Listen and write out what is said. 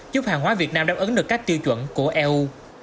giúp hàng hóa việt nam đáp ứng được các tiêu chuẩn của eu